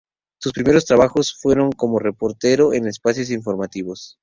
Sus primeros trabajos fueron como reportero en espacios informativos.